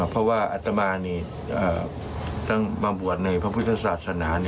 เพราะว่าอัตมานี่ตั้งมาบวชในพระพุทธศาสนา